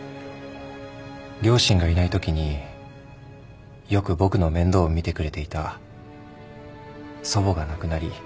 両親がいないときによく僕の面倒を見てくれていた祖母が亡くなり。